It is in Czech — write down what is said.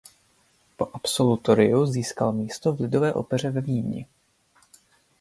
Po absolutoriu získal místo v Lidové opeře ve Vídni.